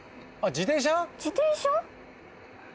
自転車？